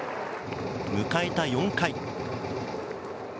迎えた４回。